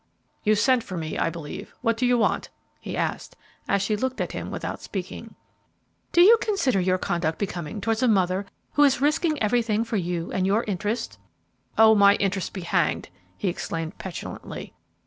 "You sent for me, I believe. What do you want?" he asked, as she looked at him without speaking. "Do you consider your conduct becoming towards a mother who is risking everything for you and your interests?" "Oh, my interests be hanged," he exclaimed, petulantly.